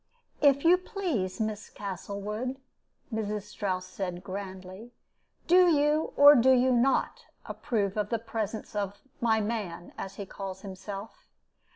"If you please, Miss Castlewood," Mrs. Strouss said, grandly, "do you or do you not approve of the presence of 'my man,' as he calls himself?